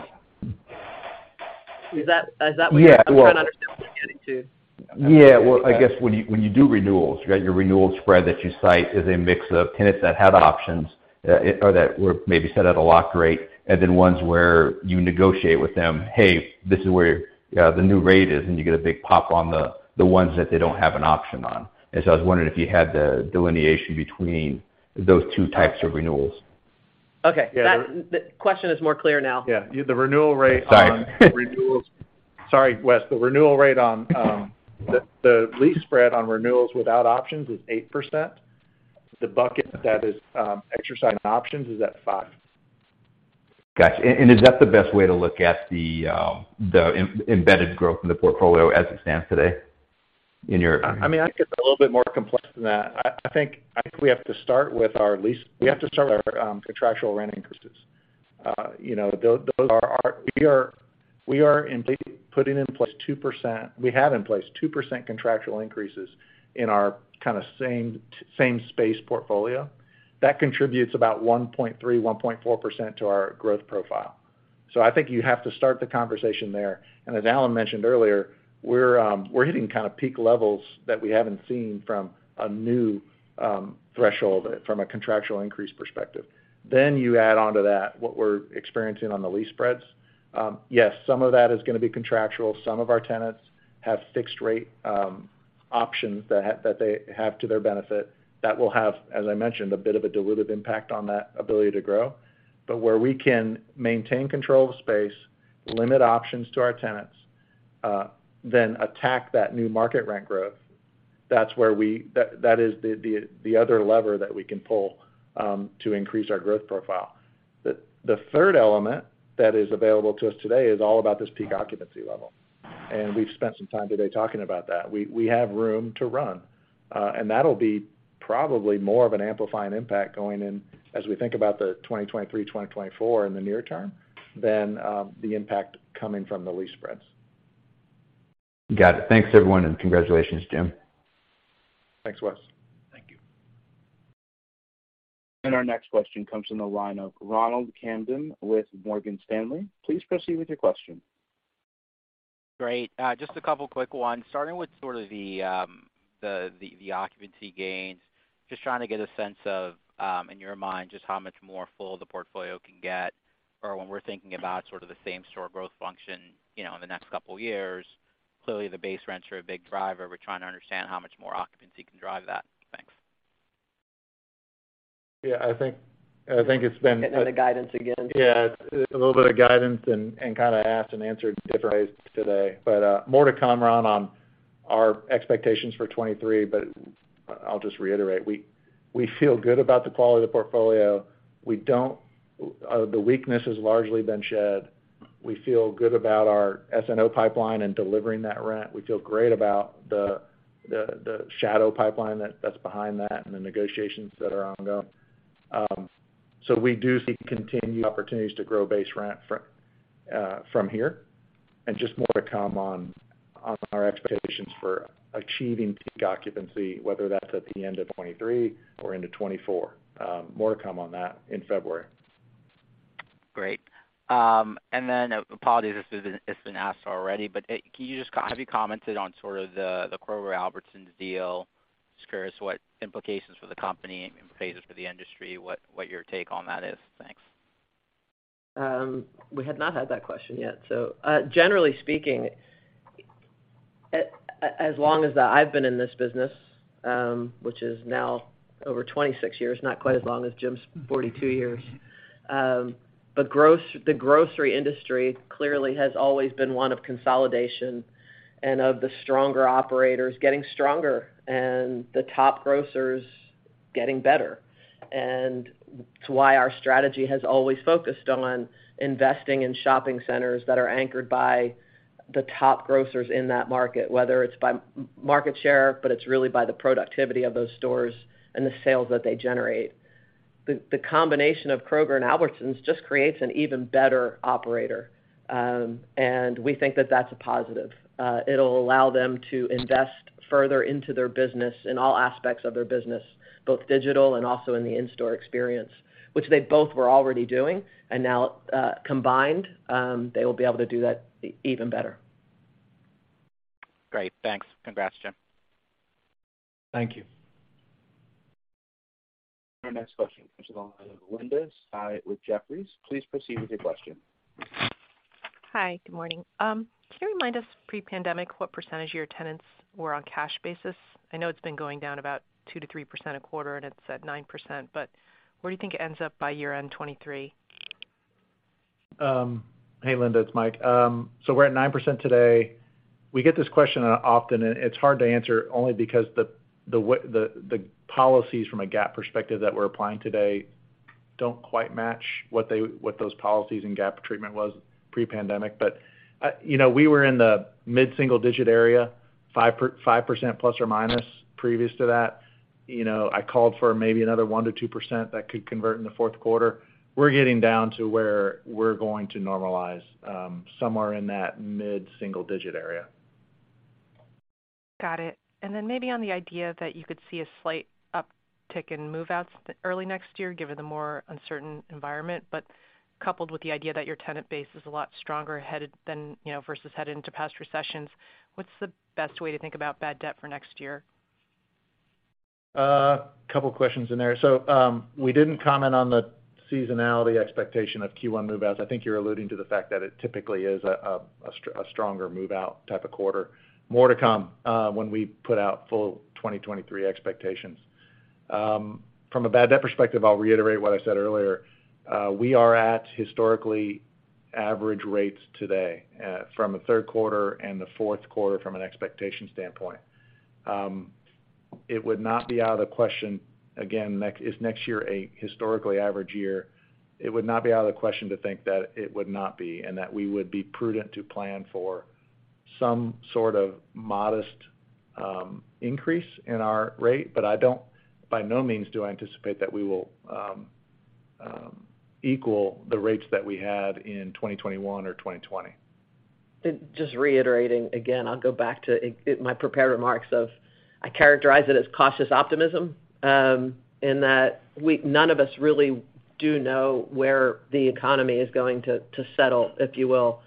Is that what you're Yeah. Well I'm trying to understand what you're getting to. Yeah. Well, I guess when you do renewals, right, your renewal spread that you cite is a mix of tenants that had options or that were maybe set at a lock rate, and then ones where you negotiate with them, "Hey, this is where the new rate is," and you get a big pop on the ones that they don't have an option on. I was wondering if you had the delineation between those two types of renewals. Okay. The question is more clear now. Yeah, the renewal rate on. Sorry. Sorry, Wes. The renewal rate on the lease spread on renewals without options is 8%. The bucket that is exercising options is at 5%. Gotcha. Is that the best way to look at the embedded growth in the portfolio as it stands today in your I mean, I think it's a little bit more complex than that. I think we have to start with our lease. We have to start with our contractual rent increases. You know, those are our—we are indeed putting in place 2%. We have in place 2% contractual increases in our kind of same space portfolio. That contributes about 1.3%-1.4% to our growth profile. I think you have to start the conversation there. As Alan mentioned earlier, we're hitting kind of peak levels that we haven't seen from a new threshold from a contractual increase perspective. You add onto that what we're experiencing on the lease spreads. Yes, some of that is gonna be contractual. Some of our tenants have fixed rate options that they have to their benefit that will have, as I mentioned, a bit of a dilutive impact on that ability to grow. Where we can maintain control of space, limit options to our tenants, then attack that new market rent growth, that's where that is the other lever that we can pull to increase our growth profile. The third element that is available to us today is all about this peak occupancy level, and we've spent some time today talking about that. We have room to run, and that'll be probably more of an amplifying impact going in as we think about the 2023, 2024 in the near term than the impact coming from the lease spreads. Got it. Thanks everyone, and congratulations, Jim. Thanks, Wes. Thank you. Our next question comes from the line of Ronald Kamdem with Morgan Stanley. Please proceed with your question. Great. Just a couple quick ones, starting with sort of the occupancy gains. Just trying to get a sense of, in your mind, just how much more full the portfolio can get, or when we're thinking about sort of the same store growth function, you know, in the next couple years. Clearly, the base rents are a big driver. We're trying to understand how much more occupancy can drive that. Thanks. Yeah, I think it's been. Getting the guidance again. Yeah. It's a little bit of guidance and kind of asked and answered differently today. More to come, Ron, on our expectations for 2023, but I'll just reiterate, we feel good about the quality of the portfolio. The weakness has largely been shed. We feel good about our SNO pipeline and delivering that rent. We feel great about the shadow pipeline that's behind that and the negotiations that are ongoing. We do see continued opportunities to grow base rent from here. Just more to come on our expectations for achieving peak occupancy, whether that's at the end of 2023 or into 2024. More to come on that in February. Great. Then apologies if this has been, if it's been asked already, but have you commented on sort of the Kroger-Albertsons deal, Chris? What implications for the company, implications for the industry? What's your take on that? Thanks. We had not had that question yet. Generally speaking, as long as I've been in this business, which is now over 26 years, not quite as long as Jim's 42 years, but the grocery industry clearly has always been one of consolidation and of the stronger operators getting stronger and the top grocers getting better. It's why our strategy has always focused on investing in shopping centers that are anchored by the top grocers in that market, whether it's by market share, but it's really by the productivity of those stores and the sales that they generate. The combination of Kroger and Albertsons just creates an even better operator, and we think that that's a positive. It'll allow them to invest further into their business, in all aspects of their business, both digital and also in the in-store experience, which they both were already doing. Now, combined, they will be able to do that even better. Great. Thanks. Congrats, Jim. Thank you. Our next question comes from Linda Tsai with Jefferies. Please proceed with your question. Hi, good morning. Can you remind us pre-pandemic what percentage of your tenants were on cash basis? I know it's been going down about 2%-3% a quarter, and it's at 9%, but where do you think it ends up by year-end 2023? Hey, Linda, it's Mike. We're at 9% today. We get this question often, and it's hard to answer only because the policies from a GAAP perspective that we're applying today don't quite match what those policies and GAAP treatment was pre-pandemic. You know, we were in the mid-single digit area, 5% plus or minus previous to that. You know, I called for maybe another 1%-2% that could convert in the fourth quarter. We're getting down to where we're going to normalize somewhere in that mid-single digit area. Got it. Maybe on the idea that you could see a slight uptick in move-outs early next year, given the more uncertain environment. Coupled with the idea that your tenant base is a lot stronger headed into than, you know, versus headed into past recessions, what's the best way to think about bad debt for next year? A couple questions in there. We didn't comment on the seasonality expectation of Q1 move-outs. I think you're alluding to the fact that it typically is a stronger move-out type of quarter. More to come when we put out full 2023 expectations. From a bad debt perspective, I'll reiterate what I said earlier. We are at historically average rates today from a third quarter and the fourth quarter from an expectation standpoint. It would not be out of the question, again, is next year a historically average year? It would not be out of the question to think that it would not be, and that we would be prudent to plan for some sort of modest increase in our rate, but I don't. By no means, do I anticipate that we will equal the rates that we had in 2021 or 2020. Just reiterating again, I'll go back to my prepared remarks of, I characterize it as cautious optimism, in that none of us really do know where the economy is going to settle, if you will,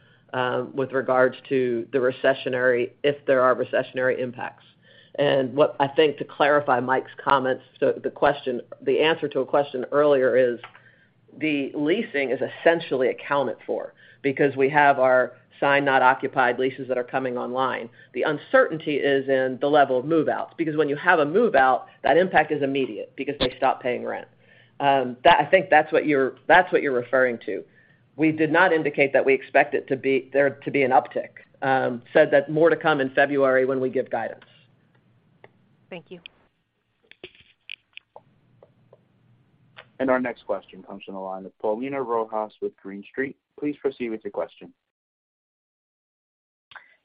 with regards to the recessionary, if there are recessionary impacts. What I think to clarify Mike's comments, the answer to a question earlier is the leasing is essentially accounted for because we have our signed, not occupied leases that are coming online. The uncertainty is in the level of move-outs. Because when you have a move-out, that impact is immediate because they stop paying rent. I think that's what you're referring to. We did not indicate that we expect it to be there to be an uptick. Said that more to come in February when we give guidance. Thank you. Our next question comes from the line of Paulina Rojas with Green Street. Please proceed with your question.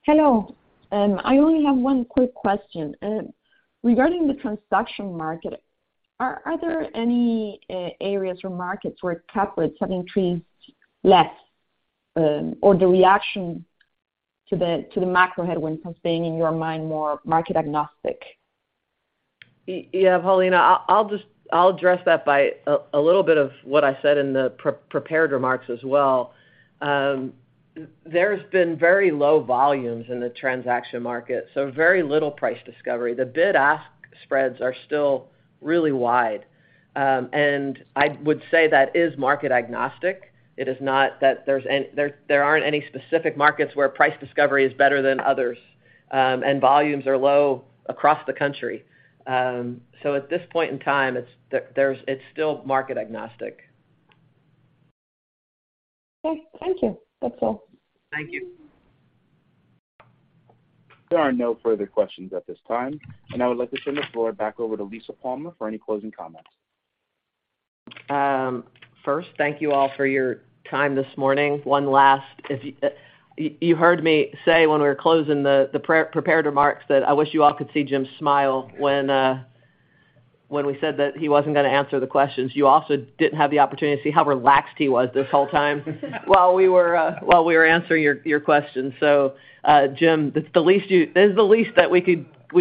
Hello. I only have one quick question. Regarding the transaction market, are there any areas or markets where cap rates have increased less, or the reaction to the macro headwinds has been, in your mind, more market agnostic? Yeah, Paulina, I'll just address that by a little bit of what I said in the pre-prepared remarks as well. There's been very low volumes in the transaction market, so very little price discovery. The bid-ask spreads are still really wide. I would say that is market agnostic. It is not that there aren't any specific markets where price discovery is better than others, and volumes are low across the country. At this point in time, it's still market agnostic. Okay. Thank you. That's all. Thank you. There are no further questions at this time, and I would like to turn the floor back over to Lisa Palmer for any closing comments. First, thank you all for your time this morning. One last, if you heard me say when we were closing the pre-prepared remarks that I wish you all could see Jim smile when we said that he wasn't gonna answer the questions. You also didn't have the opportunity to see how relaxed he was this whole time while we were answering your questions. Jim, this is the least that we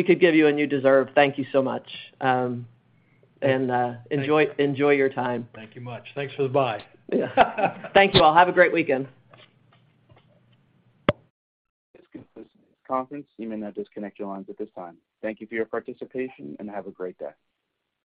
could give you, and you deserve. Thank you so much. Enjoy your time. Thank you much. Thanks for the bye. Thank you. Well, have a great weekend. This concludes the conference. You may now disconnect your lines at this time. Thank you for your participation, and have a great day.